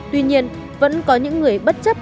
tuy nhiên vẫn có những người bất chấp